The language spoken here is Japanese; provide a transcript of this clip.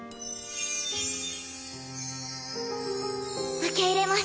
受け入れます。